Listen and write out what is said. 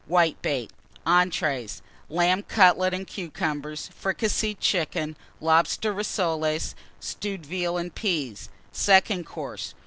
Whitebait. ENTREES. Lamb Cutlets and Cucumbers. Fricasseed Chicken. Lobster Rissoles. Stewed Veal and Peas. SECOND COURSE.